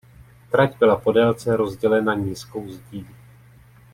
Trať byla po délce rozdělena nízkou zdí.